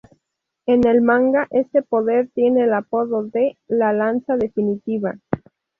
En el manga este poder tiene el apodo de "La lanza definitiva".